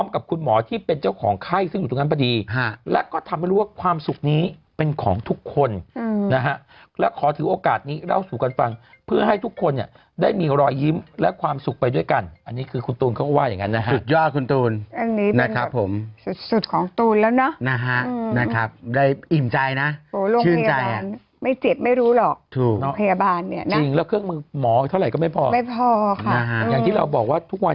คุณหมอที่เป็นเจ้าของไข้ซึ่งอยู่ตรงนั้นประดีและก็ทำให้รู้ว่าความสุขนี้เป็นของทุกคนและขอถือโอกาสนี้เล่าสู่กันฟังเพื่อให้ทุกคนได้มีรอยยิ้มและความสุขไปด้วยกันอันนี้คือคุณตูนเขาว่าอย่างนั้นนะครับสุดยอดคุณตูนอันนี้เป็นสุดของตูนแล้วนะได้อิ่มใจนะโหโรงพยาบาลไม่เจ็บไม่รู้หรอกโรงพย